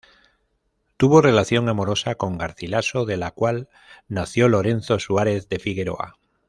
Tuvo relación amorosa con Garcilaso, de la cual nació Lorenzo Suárez de Figueroa.